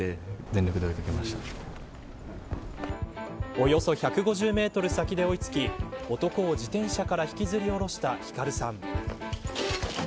およそ１５０メートル先で追いつき男を自転車から引きずり下ろした輝さん。